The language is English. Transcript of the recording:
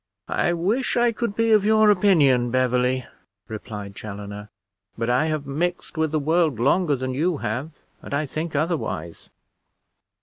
"I wish I could be of your opinion, Beverley," replied Chaloner; "but I have mixed with the world longer than you have, and I think otherwise."